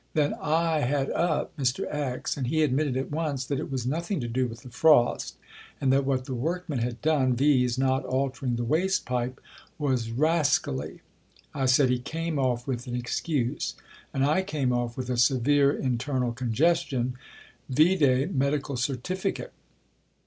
Then I had up Mr. X., and he admitted at once that it was nothing to do with the frost, and that what the workmen had done, viz. not altering the waste pipe, was "rascally." I said he came off with an excuse. And I came off with a "severe internal congestion," vide Medical Certificate.